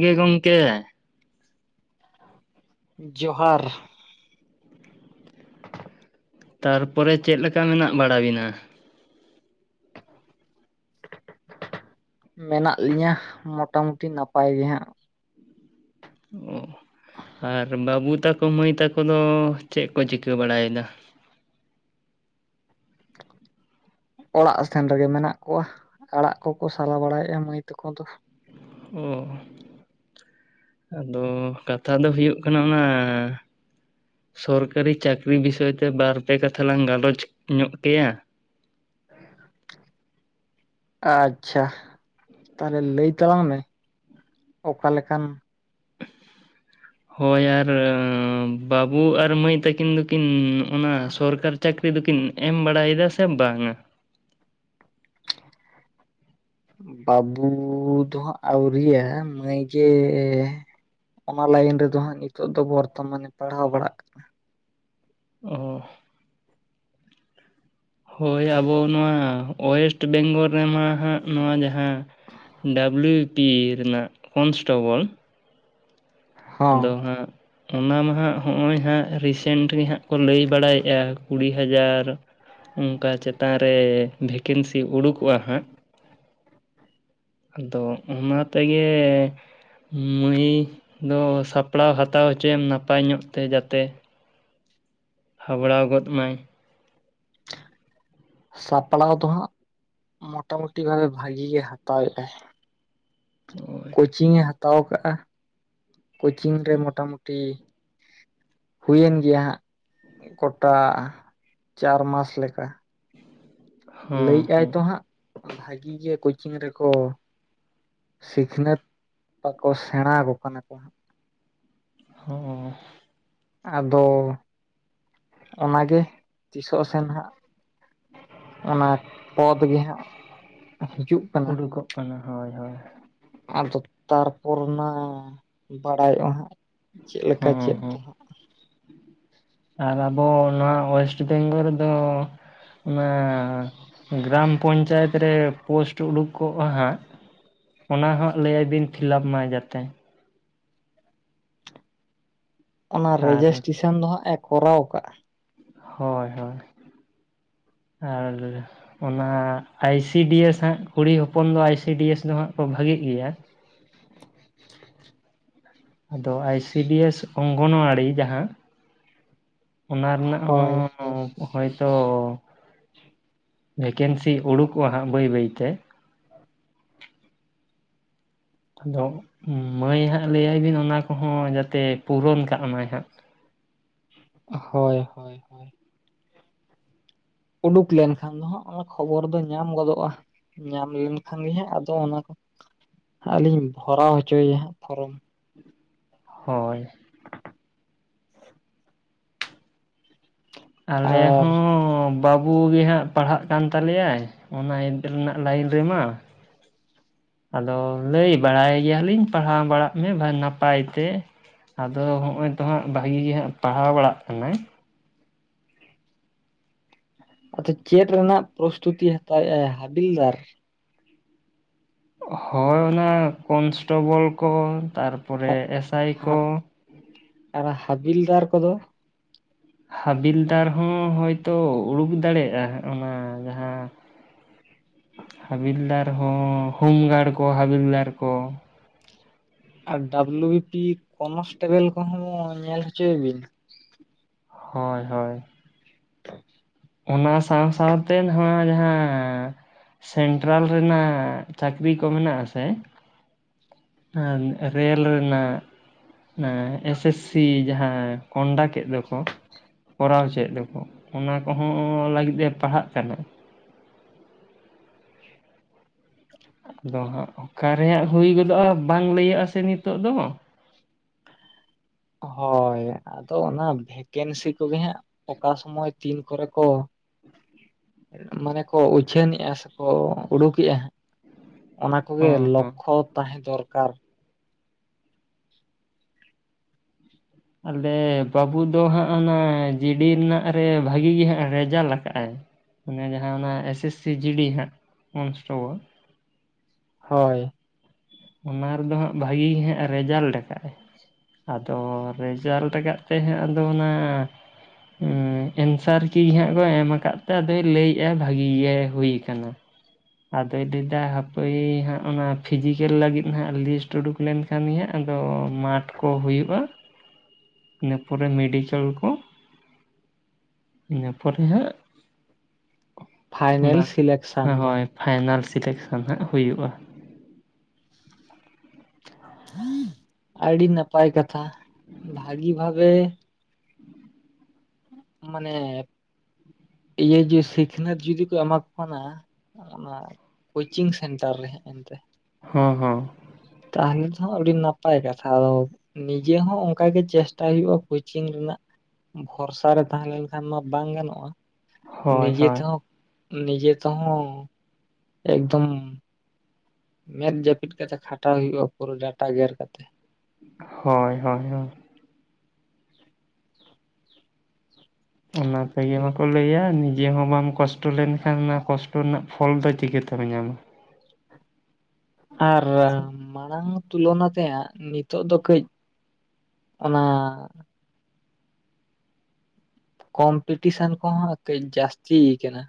ᱜᱮ ᱜᱚᱢᱠᱮ ᱡᱚᱦᱟᱨ ᱛᱟᱨᱯᱚᱨᱮ ᱪᱮᱫ ᱞᱮᱠᱟ ᱢᱮᱱᱟᱜ ᱵᱟᱲᱟ ᱵᱤᱱᱟ ᱢᱮᱱᱟᱜ ᱞᱤᱧᱟᱹ ᱢᱚᱴᱟᱢᱩᱴᱤ ᱱᱟᱯᱟᱭ ᱜᱮ ᱦᱟᱸᱜ ᱚ ᱟᱨ ᱵᱟᱹᱵᱩ ᱛᱟᱠᱚ ᱢᱟᱹᱭ ᱛᱟᱠᱚ ᱫᱚ ᱪᱮᱫ ᱠᱚ ᱪᱤᱠᱟᱹ ᱵᱟᱲᱟᱭᱮᱫᱟ ᱚᱲᱟᱜ ᱥᱮᱱ ᱨᱮᱜᱮ ᱢᱮᱱᱟᱜ ᱠᱚᱣᱟ ᱟᱲᱟᱜ ᱠᱚᱠᱚ ᱥᱟᱞᱟ ᱵᱟᱲᱟᱭᱮᱫᱼᱟ ᱢᱟᱹᱭ ᱛᱟᱠᱚ ᱫᱚ ᱚ ᱟᱫᱚ ᱠᱟᱛᱷᱟ ᱫᱚ ᱦᱩᱭᱩᱜ ᱠᱟᱱᱟ ᱚᱱᱟ ᱥᱚᱨᱠᱟᱨᱤ ᱪᱟᱹᱠᱨᱤ ᱵᱤᱥᱚᱭ ᱛᱮ ᱵᱟᱨᱯᱮ ᱠᱟᱛᱷᱟ ᱞᱟᱝ ᱜᱟᱞᱚᱪ ᱧᱚᱜ ᱠᱮᱭᱟ [inaudible] ᱟᱪᱪᱷᱟ ᱛᱟᱦᱚᱞᱮ ᱞᱟᱹᱭ ᱛᱟᱞᱟᱝ ᱢᱮ ᱚᱠᱟ ᱞᱮᱠᱟᱱ ᱦᱳᱭ ᱟᱨ ᱵᱟᱹᱵᱩ ᱟᱨ ᱢᱟᱹᱭ ᱛᱟᱹᱠᱤᱱ ᱫᱚᱠᱤᱱ ᱚᱱᱟ ᱥᱚᱨᱠᱟᱨ ᱪᱟᱹᱠᱨᱤ ᱫᱚᱠᱤᱱ ᱮᱢ ᱵᱟᱲᱟᱭᱮᱫᱟ ᱥᱮ ᱵᱟᱝᱟ ᱵᱟᱹᱵᱩ ᱫᱚ ᱦᱟᱜ ᱟᱣᱨᱤᱭᱮ ᱢᱟᱹᱭ ᱜᱮ ᱚᱱᱟ ᱞᱟᱭᱤᱱ ᱨᱮᱫᱚ ᱦᱟᱸᱜ ᱱᱤᱛᱚᱜ ᱫᱚ ᱵᱚᱨᱛᱚᱢᱟᱱᱮ ᱯᱟᱲᱦᱟᱣ ᱵᱟᱲᱟᱜ ᱠᱟᱱᱟ ᱚ ᱦᱳᱭ ᱟᱵᱚ ᱱᱚᱣᱟ ᱳᱭᱮᱥᱴ ᱵᱮᱝᱜᱚᱞ ᱨᱮᱢᱟ ᱦᱟᱸᱜ ᱱᱚᱣᱟ ᱡᱟᱦᱟᱸ ᱰᱟᱵᱞᱩ ᱵᱤ ᱯᱤ ᱨᱮᱱᱟᱜ ᱠᱚᱱᱥᱴᱮᱵᱚᱞ ᱦᱚᱸ ᱟᱫᱚ ᱦᱟᱸᱜ ᱚᱱᱟ ᱢᱟ ᱦᱟᱸᱜ ᱦᱚᱸᱜᱼᱚᱭ ᱦᱟᱸᱜ ᱨᱤᱥᱮᱱᱴ ᱜᱮ ᱦᱟᱸᱜ ᱠᱚ ᱞᱟᱹᱭ ᱵᱟᱲᱟᱭᱮᱜᱼᱟ ᱠᱩᱲᱤ ᱦᱟᱡᱟᱨ ᱚᱱᱠᱟ ᱪᱮᱛᱟᱱ ᱨᱮ ᱵᱷᱮᱠᱮᱱᱥᱤ ᱩᱰᱩᱠᱚᱜᱼᱟ ᱦᱟᱸᱜ ᱟᱫᱚ ᱚᱱᱟ ᱛᱮᱜᱮ ᱢᱟᱹᱭ ᱫᱚ ᱥᱟᱯᱲᱟᱣ ᱦᱟᱛᱟᱣ ᱦᱚᱪᱚᱭᱮᱢ ᱱᱟᱯᱟᱭ ᱧᱚᱜ ᱛᱮ ᱡᱟᱛᱮ ᱦᱟᱵᱲᱟᱣ ᱜᱚᱫ ᱢᱟᱭ ᱥᱟᱯᱲᱟᱣ ᱫᱚ ᱦᱟᱸᱜ ᱢᱚᱴᱟᱢᱩᱴᱤ ᱵᱷᱟᱹᱜᱤ ᱜᱮ ᱦᱟᱛᱟᱣ ᱮᱫᱟᱭ ᱦᱳᱭ ᱠᱳᱪᱤᱝ ᱮ ᱦᱟᱛᱟᱣ ᱟᱠᱟᱫᱼᱟ ᱠᱳᱪᱤᱝ ᱨᱮ ᱢᱚᱴᱟᱢᱩᱴᱤ ᱦᱩᱭᱮᱱ ᱜᱮᱭᱟ ᱦᱟᱸᱜ ᱠᱚᱴᱟ ᱪᱟᱨ ᱢᱟᱥ ᱞᱮᱠᱟ ᱦᱚᱸ ᱞᱟᱹᱭᱮᱫ ᱟᱭ ᱦᱚᱸ ᱛᱚ ᱦᱟᱸᱜ ᱵᱷᱟᱜᱤ ᱜᱮ ᱠᱳᱪᱤᱝ ᱨᱮᱠᱚ ᱥᱤᱠᱷᱱᱟᱹᱛ ᱟᱠᱚ ᱥᱮᱬᱟ ᱟᱠᱚ ᱠᱟᱱᱟ ᱠᱚ ᱦᱟᱸᱜ ᱦᱚᱸ ᱟᱫᱚ ᱚᱱᱟᱜᱮ ᱛᱤᱥᱚᱜ ᱥᱮᱱ ᱦᱟᱸᱜ ᱚᱱᱟ ᱯᱚᱫᱽ ᱜᱮ ᱦᱟᱸᱜ ᱦᱤᱡᱩᱜ ᱠᱟᱱᱟ ᱩᱰᱩᱠᱚᱜ ᱠᱟᱱᱟ ᱦᱳᱭ ᱦᱳᱭ ᱟᱫᱚ ᱛᱟᱨᱯᱚᱨ ᱚᱱᱟ ᱵᱟᱲᱟᱭᱚᱜᱼᱟ ᱦᱟᱸᱜ ᱪᱮᱫ ᱞᱮᱠᱟ ᱦᱮᱸ ᱪᱮᱫ ᱦᱮᱸ ᱫᱚ ᱦᱟᱸᱜ ᱟᱨ ᱟᱵᱚ ᱱᱚᱣᱟ ᱳᱭᱮᱥᱰ ᱵᱮᱝᱜᱚᱞ ᱨᱮᱫᱚ ᱚᱱᱟ ᱜᱨᱟᱢ ᱯᱚᱧᱪᱟᱭᱮᱛ ᱨᱮ ᱯᱳᱥᱴ ᱩᱰᱩᱠ ᱠᱚᱜᱼᱟ ᱦᱟᱸᱜ ᱚᱱᱟ ᱦᱚᱸ ᱞᱟᱹᱭ ᱟᱭᱵᱤᱱ ᱯᱷᱤᱞᱟᱯ ᱢᱟ ᱡᱟᱛᱮ ᱚᱱᱟ ᱟᱨ ᱨᱮᱡᱤᱥᱴᱨᱮᱥᱚᱱ ᱫᱚ ᱦᱟᱸᱜ ᱮ ᱠᱚᱨᱟᱣ ᱟᱠᱟᱫᱼᱟ ᱦᱳᱭ ᱦᱳᱭ ᱟᱨ ᱚᱱᱟ ᱟᱭ ᱥᱤᱰᱤᱭᱮᱥ ᱦᱟᱸᱜ ᱠᱩᱲᱤ ᱦᱚᱯᱚᱱ ᱫᱚ ᱟᱭ ᱥᱤᱰᱤᱭᱮᱥ ᱫᱚ ᱦᱟᱸᱜ ᱠᱚ ᱵᱷᱟᱹᱜᱤᱜ ᱜᱮᱭᱟ ᱟᱫᱚ ᱟᱭ ᱥᱤ ᱵᱤ ᱮᱥ ᱚᱝᱜᱚᱱᱣᱟᱲᱤ ᱡᱟᱦᱟᱸ ᱚᱱᱟ ᱨᱮᱱᱟᱜ ᱦᱳᱭ ᱦᱚᱸ ᱦᱳᱭᱛᱚ ᱵᱷᱮᱠᱮᱱᱥᱤ ᱩᱰᱩᱠᱚᱜᱼᱟ ᱦᱟᱸᱜ ᱵᱟᱹᱭ ᱵᱟᱹᱭ ᱛᱮ ᱟᱫᱚ ᱢᱟᱹᱭ ᱦᱟᱸᱜ ᱞᱟᱹᱭᱟᱭ ᱵᱤᱱ ᱚᱱᱟ ᱠᱚ ᱦᱚᱸ ᱡᱟᱛᱮ ᱯᱩᱨᱚᱱ ᱠᱟᱜ ᱢᱟᱭ ᱦᱟᱸᱜ ᱦᱳᱭ ᱦᱳᱭ ᱦᱳᱭ ᱩᱰᱩᱠ ᱞᱮᱱᱠᱷᱟᱱ ᱫᱚ ᱦᱟᱸᱜ ᱚᱱᱟ ᱠᱷᱚᱵᱚᱨ ᱫᱚ ᱧᱟᱢ ᱜᱚᱫᱚᱜᱼᱟ ᱧᱟᱢ ᱞᱮᱱᱠᱷᱟᱱ ᱜᱮ ᱦᱟᱸᱜ ᱟᱫᱚ ᱚᱱᱟ ᱠᱚ ᱟᱹᱞᱤᱧ ᱵᱷᱚᱨᱟᱣ ᱦᱚᱪᱚᱭᱮᱭᱟ ᱦᱟᱸᱜ ᱯᱷᱚᱨᱚᱢ ᱦᱳᱭ ᱟᱞᱮ ᱟᱨ ᱦᱚᱸ ᱵᱟᱹᱵᱩ ᱜᱮ ᱦᱟᱸᱜ ᱯᱟᱲᱦᱟᱜ ᱠᱟᱱ ᱛᱟᱞᱮᱭᱟᱭ ᱚᱱᱟ ᱨᱮᱱᱟᱜ ᱞᱟᱹᱭᱤᱱ ᱨᱮᱢᱟ ᱟᱫᱚ ᱞᱟᱹᱭ ᱵᱟᱲᱟᱭ ᱜᱮᱭᱟ ᱞᱤᱧ ᱯᱟᱲᱦᱟᱣ ᱵᱟᱲᱟᱜ ᱢᱮ ᱱᱟᱯᱟᱭ ᱛᱮ ᱟᱫᱚ ᱱᱚᱜᱼᱚᱭ ᱛᱚ ᱦᱟᱸᱜ ᱵᱷᱟᱹᱜᱤ ᱜᱮ ᱦᱟᱸᱜ ᱯᱟᱲᱦᱟᱣ ᱵᱟᱲᱟᱜ ᱠᱟᱱᱟᱭ ᱟᱫᱚ ᱪᱮᱫ ᱨᱮᱱᱟᱜ ᱯᱨᱚᱥᱛᱩᱛᱤ ᱦᱟᱛᱟᱣᱮᱫ ᱟᱭ ᱦᱟᱵᱤᱞᱫᱟᱨ? ᱦᱳᱭ ᱚᱱᱟ ᱠᱚᱱᱥᱴᱮᱵᱚᱞ ᱠᱚ ᱛᱟᱨᱯᱚᱨᱮ ᱦᱟ- ᱮᱥᱟᱭ ᱠᱚ ᱦᱟ- ᱟᱨ ᱦᱟᱹᱵᱤᱞᱫᱟᱨ ᱠᱚᱫᱚ ᱦᱟᱵᱤᱞᱫᱟᱨ ᱦᱚᱸ ᱦᱳᱭᱛᱚ ᱩᱰᱩᱠ ᱫᱟᱲᱮᱭᱟᱜᱼᱟ ᱚᱱᱟ ᱡᱟᱦᱟᱸ ᱦᱟᱵᱤᱞᱫᱟᱨ ᱦᱚᱸ ᱦᱳᱢ ᱜᱟᱨᱰ ᱠᱚ ᱦᱟᱵᱤᱞᱫᱟᱨ ᱠᱚ ᱟᱨ ᱰᱟᱵᱽᱞᱩ ᱵᱤᱯᱤ ᱠᱚᱱᱥᱴᱮᱵᱮᱞ ᱠᱚᱦᱚᱸ ᱧᱮᱞ ᱦᱚᱪᱚᱭᱮ ᱵᱤᱱ ᱦᱳᱭ ᱦᱳᱭ [inaudible] ᱚᱱᱟ ᱥᱟᱶ ᱥᱟᱶᱛᱮ ᱱᱚᱣᱟ ᱡᱟᱦᱟᱸ ᱥᱮᱱᱴᱨᱟᱞ ᱨᱮᱱᱟᱜ ᱪᱟᱹᱠᱨᱤ ᱠᱚ ᱢᱮᱱᱟᱜ ᱟᱥᱮ ᱨᱮᱞ ᱨᱮᱱᱟᱜ ᱮᱥ ᱮᱥ ᱥᱤ ᱡᱟᱦᱟᱸ ᱠᱚᱱᱰᱟᱠᱴ ᱮ ᱫᱚᱠᱚ ᱠᱚᱨᱟᱣ ᱪᱮᱫ ᱫᱚᱠᱚ ᱚᱱᱟ ᱠᱚᱦᱚᱸ ᱞᱟᱹᱜᱤᱫ ᱮ ᱯᱟᱲᱦᱟᱜ ᱠᱟᱱᱟ ᱟᱫᱚ ᱦᱟᱸᱜ ᱚᱠᱟ ᱨᱮ ᱦᱩᱭ ᱜᱚᱫᱚᱜᱼᱟ ᱵᱟᱝ ᱞᱟᱹᱭᱩᱜᱼᱟ ᱥᱮ ᱱᱤᱛᱳᱜ ᱫᱚ ᱦᱳᱭ ᱟᱫᱚ ᱚᱱᱟ ᱵᱷᱮᱠᱮᱱᱥᱤ ᱠᱚᱜᱮ ᱦᱟᱸᱜ ᱚᱠᱟ ᱥᱚᱢᱚᱭ ᱛᱤᱱ ᱠᱚᱨᱮ ᱠᱚ ᱢᱟᱱᱮ ᱠᱚ ᱩᱪᱷᱟᱹᱱᱮᱜᱼᱟ ᱥᱮ ᱠᱚ ᱩᱰᱩᱠᱮᱜᱼᱟ ᱚᱱᱟ ᱠᱚ ᱜᱮ ᱦᱚᱸ ᱞᱚᱠᱠᱷᱚ ᱛᱟᱦᱮᱸ ᱫᱚᱨᱠᱟᱨ ᱟᱞᱮ ᱵᱟᱹᱵᱩ ᱫᱚ ᱦᱟᱸᱜ ᱚᱱᱟ ᱡᱤᱰᱤ ᱨᱮᱱᱟᱜ ᱨᱮ ᱵᱷᱟᱹᱜᱤ ᱜᱮ ᱦᱟᱸᱜ ᱨᱮᱡᱟᱞ ᱟᱠᱟᱜᱼᱟᱭ ᱚᱱᱮ ᱡᱟᱦᱟᱸ ᱚᱱᱟ S S C G D ᱦᱟᱸᱜ ᱠᱚᱱᱥᱴᱮᱵᱚᱞ ᱦᱳᱭ ᱚᱱᱟ ᱨᱮᱫᱚ ᱦᱟᱸᱜ ᱵᱷᱟᱹᱜᱤ ᱜᱮ ᱦᱟᱸᱜ ᱨᱮᱡᱟᱞᱴ ᱟᱠᱟᱫ ᱟᱭ ᱟᱫᱚ ᱨᱮᱡᱟᱞᱴ ᱠᱟᱫ ᱛᱮ ᱦᱟᱸᱜ ᱟᱫᱚ ᱚᱱᱟ ᱮᱱᱥᱟᱨ ᱠᱤ ᱦᱟᱜ ᱠᱚ ᱮᱢ ᱟᱠᱟᱫ ᱛᱮ ᱟᱫᱚᱭ ᱞᱟᱹᱭᱮᱫᱼᱟ ᱵᱷᱟᱹᱜᱤ ᱜᱮ ᱦᱩᱭ ᱟᱠᱟᱱᱟ᱾ ᱟᱫᱚᱭ ᱞᱟᱹᱭ ᱮᱟ ᱦᱟᱯᱟᱹᱭ ᱦᱟᱸᱜ ᱚᱱᱟ ᱯᱷᱤᱡᱤᱠᱮᱞ ᱞᱟᱹᱜᱤᱫ ᱦᱟᱸᱜ ᱞᱤᱥᱴ ᱩᱰᱩᱠ ᱞᱮᱱ ᱠᱟᱹᱢᱤᱭᱟ ᱟᱫᱚ ᱢᱟᱴᱷ ᱠᱚ ᱦᱩᱭᱩᱜᱼᱟ ᱤᱱᱟᱹ ᱯᱚᱨᱮ ᱢᱮᱰᱠᱮᱞ ᱠᱚ ᱤᱱᱟᱹ ᱯᱚᱨᱮ ᱦᱟᱜ ᱚᱱᱟ ᱯᱷᱟᱭᱱᱮᱞ ᱥᱤᱞᱮᱠᱥᱟᱱ ᱫᱚ ᱦᱳᱭ ᱯᱷᱟᱭᱱᱟᱞ ᱥᱤᱞᱮᱠᱥᱮᱱ ᱦᱟᱸᱜ ᱦᱩᱭᱩᱜᱼᱟ ᱟᱹᱰᱤ ᱱᱟᱯᱟᱭ ᱠᱟᱛᱷᱟ ᱵᱷᱟᱹᱜᱤ ᱵᱷᱟᱵᱮ ᱢᱟᱱᱮ ᱤᱭᱟᱹ ᱡᱮ ᱥᱤᱠᱷᱱᱟᱹᱛ ᱡᱩᱫᱤ ᱠᱚ ᱮᱢᱟ ᱠᱚ ᱠᱟᱱᱟ ᱚᱱᱟ ᱠᱳᱪᱤᱝ ᱥᱮᱱᱴᱟᱨ ᱨᱮ ᱮᱱᱛᱮ ᱦᱮᱸ ᱦᱮᱸ ᱛᱟᱦᱚᱞᱮ ᱫᱚ ᱟᱹᱰᱤ ᱱᱟᱯᱟᱭ ᱠᱟᱛᱷᱟ ᱟᱫᱚ ᱱᱤᱡᱮ ᱦᱚᱸ ᱚᱱᱠᱟ ᱜᱮ ᱪᱮᱥᱴᱟᱭ ᱦᱩᱭᱩᱜᱭᱼᱟ ᱠᱳᱪᱤᱝ ᱨᱮᱱᱟᱜ ᱵᱷᱚᱨᱥᱟ ᱨᱮ ᱛᱟᱦᱮᱸ ᱞᱮᱱᱠᱷᱟᱱ ᱢᱟ ᱵᱟᱝ ᱜᱟᱱᱚᱜᱼᱟ ᱦᱳᱭ ᱱᱤᱡᱮ ᱦᱳᱭ ᱛᱮᱦᱚᱸ ᱱᱤᱡᱮ ᱛᱮ ᱦᱚᱸ ᱮᱠᱫᱚᱢ ᱢᱮᱫ ᱡᱟᱹᱯᱤᱫ ᱠᱟᱛᱮᱜ ᱠᱷᱟᱴᱟᱣ ᱦᱩᱭᱩᱜᱼᱟ ᱯᱩᱨᱟᱹ ᱰᱟᱴᱟ ᱜᱮᱨ ᱠᱟᱛᱮ ᱦᱚᱭ ᱦᱚᱭ ᱦᱚᱭ [inaudible] ᱚᱱᱟ ᱛᱮᱜᱮ ᱵᱟᱠᱚ ᱞᱟᱹᱭᱟ ᱱᱤᱡᱮ ᱦᱚᱸ ᱵᱟᱢ ᱠᱚᱥᱴᱚ ᱞᱮᱱᱠᱷᱟᱱ ᱚᱱᱟ ᱠᱚᱥᱴᱚ ᱨᱮᱱᱟᱜ ᱯᱷᱚᱞ ᱫᱚ ᱪᱤᱠᱟᱹᱛᱮᱢ ᱧᱟᱢᱟ᱾ ᱟᱨ ᱢᱟᱲᱟᱝ ᱛᱩᱞᱚᱱᱟ ᱛᱮᱭᱟᱜ ᱱᱤᱛᱚᱜ ᱫᱚ ᱠᱟᱹᱡ ᱚᱱᱟ, ᱠᱚᱢᱯᱤᱴᱤᱥᱮᱱ ᱠᱚᱦᱚᱸ ᱠᱟᱹᱡ ᱡᱟᱹᱥᱛᱤ ᱟᱠᱟᱱᱟ᱾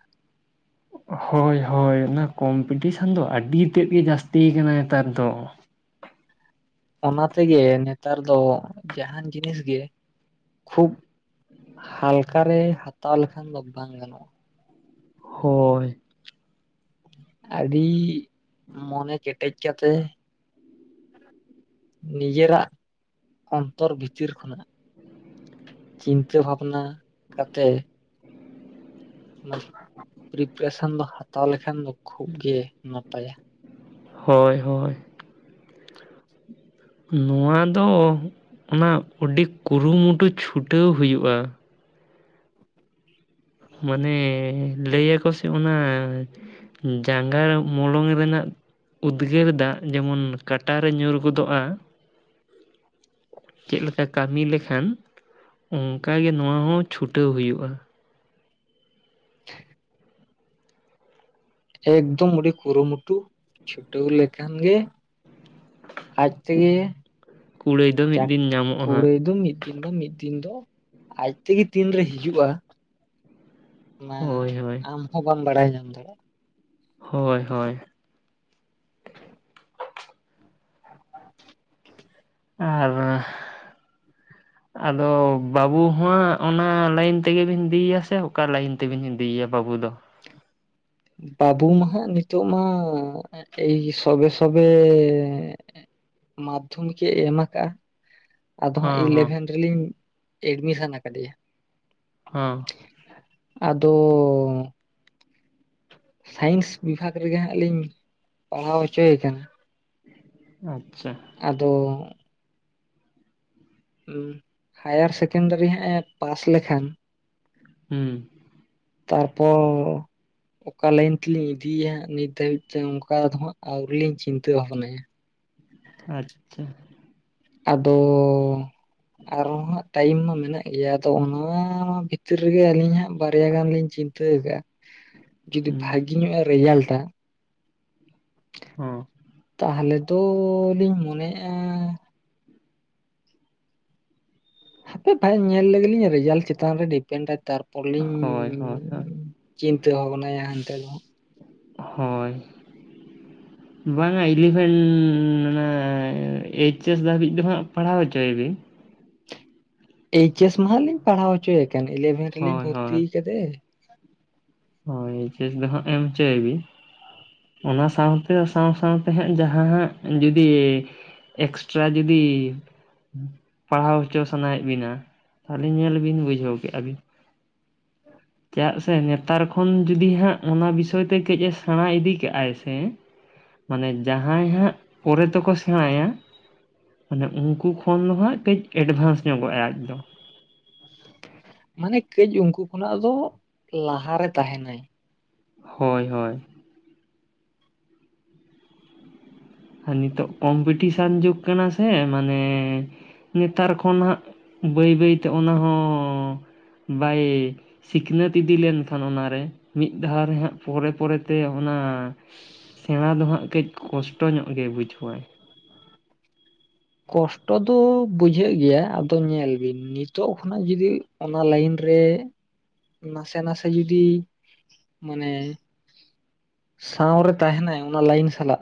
ᱦᱚᱭ ᱦᱚᱭ ᱚᱱᱟ ᱠᱚᱢᱯᱤᱴᱤᱥᱮᱱ ᱫᱚ ᱟᱹᱰᱤ ᱛᱮᱫ ᱜᱮ ᱡᱟᱹᱥᱛᱤ ᱟᱠᱟᱱᱟ ᱱᱮᱛᱟᱨ ᱫᱚ ᱚᱱᱟ ᱛᱮᱜᱮ ᱱᱮᱛᱟᱨ ᱫᱚ ᱡᱟᱦᱟᱸᱱ ᱡᱤᱱᱤᱥ ᱜᱮ ᱠᱷᱩᱵ ᱦᱟᱞᱠᱟᱨᱮ ᱦᱟᱛᱟᱣ ᱞᱮᱠᱷᱟᱱ ᱫᱚ ᱵᱟᱝ ᱜᱟᱱᱚᱜᱼᱟ ᱦᱚᱭ ᱟᱹᱰᱤ ᱢᱚᱱᱮ ᱠᱮᱴᱮᱡ ᱠᱟᱛᱮ ᱱᱤᱡᱮᱨᱟᱜ ᱚᱱᱛᱚᱨ ᱵᱷᱤᱛᱤᱨ ᱠᱷᱚᱱᱟᱜ ᱪᱤᱱᱛᱟᱹ ᱵᱷᱟᱵᱱᱟ ᱠᱟᱛᱮ ᱢᱟᱱᱤᱯᱟᱠᱚᱢ ᱯᱨᱤᱯᱟᱨᱮᱥᱮᱱ ᱫᱚ ᱦᱟᱛᱟᱣ ᱞᱮᱠᱷᱟᱱ ᱠᱷᱩᱵ ᱜᱮ ᱱᱟᱯᱟᱭᱟ᱾ ᱦᱳᱭ ᱦᱳᱭ ᱱᱚᱶᱟ ᱫᱚ ᱚᱜ ᱚᱱᱟ ᱟᱹᱰᱤ ᱠᱩᱨᱩᱢᱩᱴᱩ ᱪᱷᱩᱴᱟᱹᱣ ᱦᱩᱭᱩᱜᱼᱟ ᱢᱟᱱᱮᱻ ᱞᱟᱹᱭ ᱟᱠᱠᱚ ᱥᱮ ᱚᱱᱟ ᱡᱟᱸᱜᱟ ᱢᱚᱞᱚᱝ ᱨᱮᱱᱟᱜ ᱩᱫᱽᱜᱟᱹᱨ ᱫᱟᱜ ᱡᱮᱢᱚᱱ ᱠᱟᱴᱟᱨᱮ ᱧᱩᱨ ᱜᱚᱫᱚᱜᱼᱟ᱾ ᱪᱮᱫ ᱞᱮᱠᱟ ᱠᱟᱹᱢᱤ ᱞᱮᱠᱷᱟᱱ ᱚᱱᱠᱟᱜᱮ ᱱᱚᱣᱟ ᱦᱚᱸ ᱪᱷᱩᱴᱟᱹᱣ ᱦᱩᱭᱩᱜᱼᱟ᱾ ᱮᱠᱫᱚᱢ ᱟᱹᱰᱤ ᱠᱩᱨᱩᱢᱩᱴᱩ ᱪᱷᱩᱴᱟᱹᱣ ᱞᱮᱠᱷᱟᱱ ᱜᱮ ᱟᱡ ᱛᱮᱜᱮ ᱠᱩᱲᱟᱹᱭ ᱫᱚ ᱢᱤᱫ ᱪᱟᱠ ᱫᱤᱱ ᱧᱟᱢᱚᱜᱼᱟ ᱦᱟᱸᱜ ᱠᱩᱲᱟᱹᱭ ᱫᱚ ᱢᱤᱫ ᱛᱤᱦᱤᱱ ᱫᱚ ᱢᱤᱫ ᱫᱤᱱ ᱫᱚ ᱟᱡ ᱛᱮᱜᱮ ᱛᱤᱱᱨᱮ ᱦᱤᱡᱩᱜᱼᱟ ᱚᱱᱟ ᱦᱳᱭ ᱦᱳᱭ ᱟᱢ ᱦᱚᱸ ᱵᱟᱢ ᱵᱟᱲᱟᱭ ᱧᱟᱢ ᱫᱟᱲᱮᱭᱟᱜᱼᱟ᱾ ᱦᱳᱭ ᱦᱳᱭ [inaudible] ᱟᱨᱻ ᱟᱫᱚ ᱵᱟᱹᱵᱩ ᱦᱚᱸ ᱟᱜ ᱚᱱᱟ ᱞᱟᱹᱭᱤᱱ ᱛᱮᱜᱮ ᱵᱤᱱ ᱤᱫᱤᱭᱭᱟ ᱥᱮ ᱚᱠᱟ ᱞᱟᱹᱭᱤᱱ ᱛᱮᱵᱤᱱ ᱤᱫᱤᱭᱭᱟ ᱵᱟᱹᱵᱩ ᱫᱚ? ᱵᱟᱹᱵᱩ ᱢᱟ ᱦᱟᱸᱜ ᱱᱤᱛᱚᱜ ᱢᱟ ᱮᱭ ᱥᱚᱵᱮᱻᱥᱚᱵᱮ ᱢᱟᱫᱽᱫᱷᱚᱢᱤᱠ ᱮ ᱮᱢ ᱟᱠᱟᱜᱼᱟ ᱟᱫᱚ ᱦᱟᱸᱜ ᱦᱚᱸ ᱦᱚᱸ ᱤᱞᱮᱵᱷᱮᱱ ᱨᱮᱞᱤᱧ ᱮᱰᱢᱤᱥᱮᱱ ᱠᱟᱫᱮᱭᱟ᱾ ᱦᱚᱸ ᱟᱫᱚᱻ ᱥᱟᱭᱮᱱᱥ ᱵᱤᱵᱷᱟᱜᱽ ᱨᱮᱜᱮ ᱦᱟᱸᱜ ᱞᱤᱧ ᱯᱟᱲᱦᱟᱣ ᱦᱚᱪᱚᱭᱮ ᱠᱟᱱᱟ ᱟᱪᱪᱷᱟ ᱟᱫᱚ ᱦᱟᱭᱟᱨ ᱥᱮᱠᱮᱱᱰᱟᱨᱤ ᱦᱟᱸᱜ ᱮ ᱯᱟᱥ ᱞᱮᱠᱷᱟᱱ ᱦᱩᱸ ᱛᱟᱨ ᱯᱚᱨ ᱚᱠᱟ ᱞᱟᱭᱤᱱ ᱛᱮᱞᱤᱧ ᱤᱫᱤᱭᱭᱟ ᱱᱤᱛ ᱫᱷᱟᱹᱵᱤᱡ ᱛᱮ ᱚᱱᱠᱟ ᱫᱚ ᱦᱟᱸᱜ ᱟᱹᱣᱨᱤ ᱞᱤᱧ ᱪᱤᱱᱛᱟᱹ ᱵᱷᱟᱵᱽᱱᱟᱭᱟ‌ ᱟᱪᱪᱷᱟ ᱟᱫᱚᱻ ᱟᱨᱚ ᱦᱚᱸ ᱦᱟᱸᱜ ᱴᱟᱭᱤᱢ ᱢᱟ ᱢᱮᱱᱟᱜ ᱜᱮᱭᱟ ᱟᱫᱚ ᱚᱱᱟ ᱵᱷᱤᱛᱨᱤ ᱨᱮᱜᱮ ᱟᱹᱞᱤᱧ ᱦᱟᱸᱜ ᱵᱟᱨᱭᱟ ᱜᱟᱱ ᱞᱤᱧ ᱪᱤᱱ ᱛᱟᱹ ᱜᱟᱜ [inaudible] ᱡᱩᱫᱤ ᱵᱷᱟᱜᱤ ᱧᱚᱜ ᱮ ᱨᱮᱡᱟᱞᱴᱟ ᱦᱚᱸ ᱛᱟᱦᱞᱮ ᱛᱚᱻ ᱞᱤᱧ ᱢᱚᱱᱮ ᱮᱜᱼᱟ ᱦᱟᱯᱮ [inaudible] ᱧᱮᱞ ᱞᱮᱜᱮᱞᱤᱧ ᱨᱮᱡᱟᱞ ᱪᱮᱛᱟᱱ ᱨᱮ ᱰᱤᱯᱮᱱᱰᱟᱭ ᱛᱟᱨ- ᱯᱚᱨ ᱞᱤᱧ ᱦᱳᱭ ᱦᱳᱭ ᱦᱳᱭ ᱪᱤᱱᱛᱟᱹ ᱵᱷᱟᱵᱱᱟᱭᱟ ᱦᱟᱱᱛᱮ ᱫᱚ ᱦᱳᱭ ᱵᱟᱝ-ᱟ ᱤᱞᱤᱵᱷᱮᱱ ᱚᱱᱟ ᱮᱭᱤᱪᱮᱥ ᱫᱷᱟᱹᱵᱤᱡ ᱫᱚ ᱦᱟᱸᱜ ᱯᱟᱲᱦᱟᱣ ᱦᱚᱪᱚᱭᱮᱵᱤᱱ ᱮᱭᱤᱪ ᱮᱥ ᱢᱟᱜ ᱞᱤᱧ ᱯᱟᱲᱦᱟᱣ ᱦᱚᱪᱚᱭ ᱠᱟᱱ ᱤᱞᱮᱵᱷᱮᱱ ᱨᱮᱞᱤᱧ ᱦᱳᱭ ᱦᱳᱭ ᱵᱷᱚᱨᱛᱤ ᱠᱟᱫᱮ ᱦᱳᱭ ᱮᱭᱤᱪ ᱮᱥ ᱫᱚ ᱦᱟᱜ ᱮᱢ ᱚᱪᱚᱭᱮᱵᱤᱱ ᱚᱱᱟ ᱥᱟᱶᱛᱮ ᱥᱟᱶ ᱥᱟᱶᱛᱮ ᱦᱟᱸᱜ ᱡᱟᱦᱟᱸ ᱦᱟᱸᱜ ᱡᱩᱫᱤ ᱮᱠᱥᱴᱨᱟ ᱡᱩᱫᱤ ᱯᱟᱲᱦᱟᱣ ᱦᱚᱪᱚ ᱥᱟᱱᱟᱭᱮᱫ ᱵᱤᱱᱟ ᱛᱟᱦᱚᱞᱮ ᱧᱮᱞ ᱵᱤᱱ ᱵᱩᱡᱷᱟᱹᱣ ᱠᱮᱜᱼᱟ ᱵᱤᱱ ᱪᱟᱜ ᱥᱮ ᱱᱮᱛᱟᱨ ᱚᱷᱚᱱ ᱡᱩᱫᱤ ᱦᱟᱸᱜ ᱚᱱᱟ ᱵᱤᱥᱚᱭ ᱛᱮ ᱠᱟᱹᱡ ᱮ ᱥᱮᱬᱟ ᱤᱫᱤ ᱠᱟᱜᱟᱭ ᱥᱮ ᱢᱟᱱᱮ ᱡᱟᱦᱟᱸᱭ ᱦᱟᱸᱜ ᱯᱚᱨᱮ ᱛᱮᱠᱚ ᱥᱮᱬᱟᱭᱟ, ᱢᱟᱱᱮ ᱩᱱᱠᱩ ᱠᱷᱚᱱ ᱫᱚ ᱦᱟᱸᱜ ᱠᱟᱹᱡ ᱮᱰᱵᱷᱟᱱᱥ ᱧᱚᱜᱚᱜᱼᱟᱭ ᱟᱡ ᱫᱚ᱾ ᱢᱟᱱᱮ ᱠᱟᱹᱡ ᱩᱱᱠᱩ ᱠᱷᱚᱱᱟᱜᱼᱫᱚ ᱞᱟᱦᱟ ᱨᱮ ᱛᱟᱦᱮᱸᱱᱟᱭ ᱦᱳᱭ ᱦᱳᱭ ᱟᱨ ᱱᱤᱛᱚᱜ ᱠᱚᱢᱯᱤᱴᱤᱥᱟᱱ ᱡᱩᱜᱽ ᱠᱟᱱᱟ ᱥᱮ ᱢᱟᱱᱮ ᱱᱮᱛᱟᱨ ᱠᱷᱚᱱ ᱦᱟᱸᱜ ᱵᱟᱹᱭ ᱵᱟᱹᱭ ᱛᱮ ᱚᱱᱟ ᱦᱚᱸ ᱵᱟᱭ ᱥᱤᱠᱷᱱᱟᱹᱛ ᱤᱫᱤ ᱞᱮᱱᱠᱷᱟᱱ ᱚᱱᱟᱨᱮ ᱢᱤᱫ ᱫᱷᱟᱣ ᱨᱮ ᱦᱟᱸᱜ ᱯᱚᱨᱮ ᱯᱚᱨᱮᱛᱮ ᱚᱱᱟ ᱥᱮᱬᱟ ᱫᱚ ᱦᱟᱸᱜ ᱠᱟᱹᱡ ᱠᱚᱥᱴᱚ ᱧᱚᱜ ᱜᱮ ᱵᱩᱡᱷᱟᱹᱣᱟᱭ ᱠᱚᱥᱴᱚ ᱫᱚ ᱵᱩᱡᱷᱟᱹᱜ ᱜᱮᱭᱟ ᱟᱫᱚ ᱧᱮᱞ ᱵᱤᱱ ᱱᱤᱛᱚᱜ ᱠᱷᱚᱱᱟᱜ ᱡᱩᱫᱤ ᱚᱱᱟ ᱞᱟᱭᱤᱱ ᱨᱮ ᱱᱟᱥᱮ ᱱᱟᱥᱮ ᱡᱩᱫᱤ ᱢᱟᱱᱮ ᱥᱟᱶᱨᱮ ᱛᱟᱦᱮᱱᱟᱭ ᱚᱱᱟ ᱞᱟᱭᱤᱱ ᱥᱟᱞᱟᱜ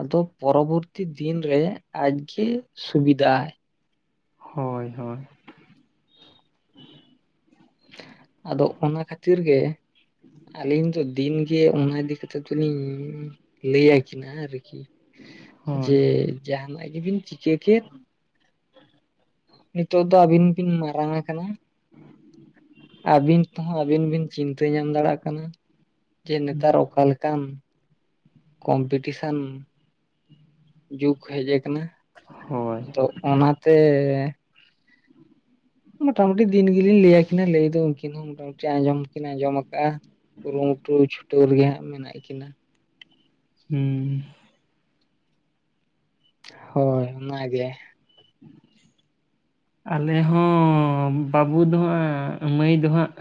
ᱟᱫᱚ ᱯᱚᱨᱚᱵᱚᱨᱛᱤ ᱫᱤᱱ ᱨᱮ ᱟᱡᱜᱮ ᱥᱩᱵᱤᱫᱟ ᱟᱭ ᱦᱳᱭ ᱦᱳᱭ ᱟᱫᱚ ᱚᱱᱟ ᱠᱷᱟᱹᱛᱤᱨ ᱜᱮ ᱟᱹᱞᱤᱧ ᱫᱚ ᱫᱤᱱᱜᱮ ᱚᱱᱟ ᱤᱫᱤ ᱠᱟᱛᱮᱜ ᱫᱚᱞᱤᱧ ᱞᱟᱹᱭ ᱟᱠᱤᱱᱟ ᱟᱨᱠᱤ ᱦᱳᱭ ᱡᱮ ᱡᱟᱦᱟᱸᱱᱟᱜ ᱜᱮᱵᱤᱱ ᱪᱤᱠᱟᱹ ᱠᱮᱫ ᱱᱤᱛᱚᱜ ᱫᱚ ᱟᱹᱵᱤᱱ ᱵᱤᱱ ᱢᱟᱨᱟᱝ ᱟᱠᱟᱱᱟ ᱟᱹᱵᱤᱱ ᱛᱮᱦᱚᱸ ᱟᱹᱵᱤᱱ ᱵᱤᱱ ᱪᱤᱱᱛᱟᱹ ᱧᱟᱢ ᱫᱟᱲᱮᱭᱟᱜ ᱠᱟᱱᱟ, ᱡᱮ ᱱᱮᱛᱟᱨ ᱚᱠᱟ ᱞᱮᱠᱟᱱ ᱠᱚᱢᱯᱤᱴᱤᱥᱟᱱ ᱡᱩᱜᱽ ᱦᱮᱡ ᱠᱟᱱᱟ ᱦᱳᱭ ᱟᱫᱚ ᱚᱱᱟᱛᱮ ᱢᱚᱴᱟᱢᱩᱴᱤ ᱫᱤᱱ ᱜᱮᱞᱤᱧ ᱞᱟᱹᱭ ᱟᱠᱤᱱᱟ ᱞᱟᱹᱭ ᱫᱚ ᱩᱱᱠᱤᱱ ᱦᱚᱸ ᱢᱚᱴᱟᱢᱩᱴᱤ ᱟᱸᱡᱚᱢ ᱠᱤᱱ ᱟᱸᱡᱚᱢ ᱠᱟᱜᱼᱟ ᱠᱩᱨᱩᱢᱩᱴᱩ ᱪᱷᱩᱴᱟᱹᱣ ᱨᱮᱜᱮ ᱦᱟᱸᱜ ᱢᱮᱱᱟᱜ ᱠᱤᱱᱟ ᱦᱩᱸ ᱦᱳᱭ ᱚᱱᱟᱜᱮ [inaudible] ᱟᱞᱮ ᱦᱚᱸ ᱵᱟᱹᱵᱩ ᱫᱚ ᱦᱟᱸᱜ ᱢᱟᱹᱭ ᱫᱚ ᱦᱟᱸᱜ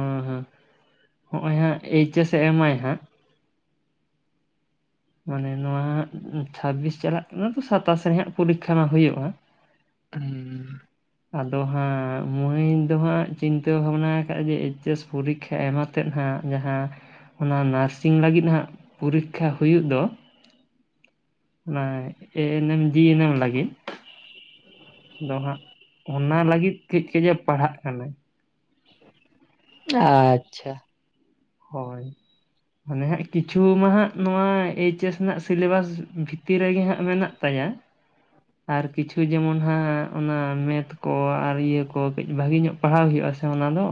[inaudible] ᱦᱚᱜᱼᱚᱭ ᱦᱟᱸᱜ ᱮᱭᱤᱪ ᱮᱥ ᱮᱢ ᱟᱭ ᱦᱟᱸᱜ ᱢᱟᱱᱮ ᱱᱚᱣᱟ ᱦᱟᱜ ᱪᱷᱟᱵᱤᱥ ᱪᱟᱞᱟᱜ ᱠᱟᱱᱟ ᱛᱚ ᱥᱟᱛᱟᱥ ᱨᱮ ᱦᱟᱸᱜ ᱯᱚᱨᱤᱠᱷᱟ ᱢᱟ ᱦᱳᱭᱳᱜᱼᱟ ᱦᱩᱸ ᱟᱫᱚ ᱦᱟᱸᱜ ᱢᱟᱹᱭ ᱫᱚ ᱦᱟᱸᱜ ᱪᱤᱱᱛᱟᱹ ᱵᱷᱟᱵᱱᱟ ᱠᱟᱜ-ᱟ ᱡᱮ, ᱮᱭᱤᱪ ᱮᱥ ᱯᱚᱨᱤ ᱠᱷᱟ‌ ᱟᱭᱢᱟ ᱛᱮᱜ ᱦᱟᱜ ᱦᱟᱸᱜ ᱡᱟᱦᱟᱸ, ᱚᱱᱟ ᱱᱟᱨᱥᱤᱝ ᱞᱟᱹᱜᱤᱫ ᱦᱟᱸᱜ ᱯᱚᱨᱤᱠᱷᱟ ᱦᱩᱭᱩᱜ ᱫᱚ ᱾ ᱚᱱᱟ ᱮ ᱮᱱᱮᱢ ᱡᱤ ᱮᱱᱮᱢ ᱞᱟᱹᱜᱤᱫ, [inaudible] ᱟᱫᱚ ᱦᱟᱸᱜ ᱚᱱᱟ ᱞᱟᱹᱜᱤᱫ ᱠᱟᱹᱡ ᱠᱟᱡᱮ ᱯᱟᱲᱦᱟᱜ ᱠᱟᱱᱟᱭ ᱟᱪᱪᱷᱟ ᱦᱳᱭ ᱢᱟᱱᱮ ᱦᱟᱸᱜ ᱠᱤᱪᱷᱩᱢᱟ ᱦᱟᱜ ᱱᱚᱣᱟ ᱮᱭᱤᱪ ᱮᱥ ᱨᱮᱱᱟᱜ ᱥᱤᱞᱮᱵᱟᱥ ᱵᱷᱤᱛᱤᱨ ᱨᱮᱜᱮ ᱦᱟᱸᱜ ᱢᱮᱱᱟᱜ ᱛᱟᱭᱟ ᱟᱨ ᱠᱤᱪᱷᱩ ᱡᱮᱢᱚᱱ ᱦᱟᱸᱜ ᱚᱱᱟ ᱢᱮᱛ ᱠᱚ ᱟᱨ ᱤᱭᱟᱹ ᱠᱚ ᱠᱟᱹᱡ ᱵᱷᱟᱜᱮ ᱧᱚᱜ ᱯᱟᱲᱦᱟᱣ ᱦᱩᱭᱩᱜᱼᱟ ᱥᱮ ᱚᱱᱟ ᱫᱚ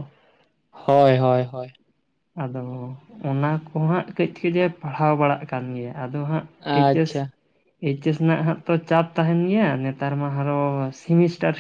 ᱦᱳᱭ ᱦᱳᱭ ᱦᱳᱭ, ᱟᱫᱚ ᱚᱱᱟ ᱠᱚᱦᱟᱸᱜ ᱠᱟᱹᱡ ᱠᱟᱹᱡ ᱮ ᱯᱟᱲᱦᱟᱣ ᱵᱟᱲᱟᱜ ᱠᱟᱱ ᱜᱮᱭᱟ, ᱟᱫᱚ ᱦᱟᱸᱜ ᱴᱤᱪᱟᱹᱥ ᱟᱪᱪᱷᱟ ᱮᱭᱤᱪ ᱮᱥ ᱨᱮᱱᱟᱜ ᱦᱟᱸᱜ ᱛᱚ ᱪᱟᱯ ᱛᱟᱦᱮᱱ ᱜᱮᱭᱟ, ᱱᱮᱛᱟᱨ ᱢᱟ ᱟᱨᱦᱚᱸ ᱥᱮᱢᱤᱥᱴᱟᱨ